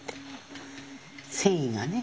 繊維がね。